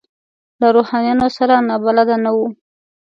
له روحانیونو سره نابلده نه وو.